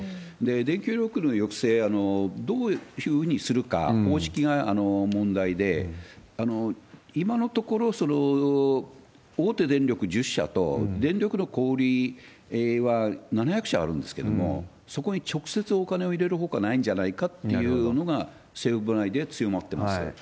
電気料金の抑制、どういうふうにするか、方式が問題で、今のところ、大手電力１０社と、電力の小売りは７００社あるんですけれども、そこに直接お金を入れるほかないんじゃないかっていうのが、政府部内で強まってます。